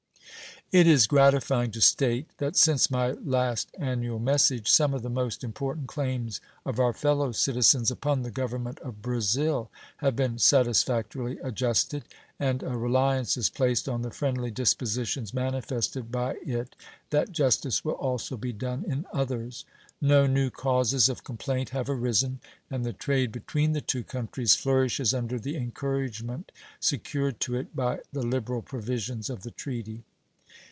It is gratifying to state that since my last annual message some of the most important claims of our fellow citizens upon the Government of Brazil have been satisfactorily adjusted, and a reliance is placed on the friendly dispositions manifested by it that justice will also be done in others. No new causes of complaint have arisen, and the trade between the two countries flourishes under the encouragement secured to it by the liberal provisions of the treaty.